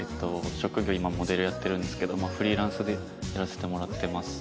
職業今モデルやってるんですけどフリーランスでやらせてもらってます。